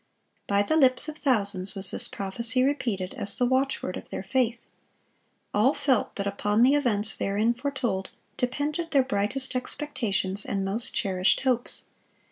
By the lips of thousands was this prophecy repeated as the watchword of their faith. All felt that upon the events therein foretold depended their brightest expectations and most cherished hopes.